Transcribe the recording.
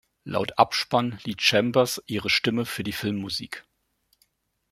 Laut Abspann lieh Chambers ihre Stimme für die Filmmusik.